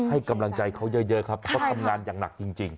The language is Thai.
ให้กำลังใจเขาเยอะครับเขาทำงานอย่างหนักจริง